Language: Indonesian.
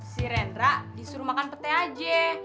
si rendra disuruh makan petai aja